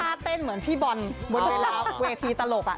ท่าเต้นเหมือนพี่บอลเวลาเวพีตลกอะ